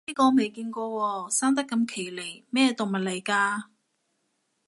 呢個未見過喎，生得咁奇離，咩動物嚟㗎